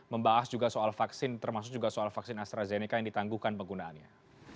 membahas juga soal vaksin termasuk juga soal vaksin astrazeneca yang ditangguhkan penggunaannya